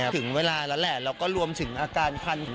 ถึงเวลาแล้วแหละแล้วก็รวมถึงอาการคัน